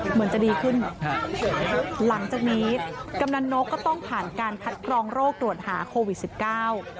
เหมือนจะดีขึ้นฮะหลังจากนี้กำนันนกก็ต้องผ่านการคัดกรองโรคตรวจหาโควิดสิบเก้า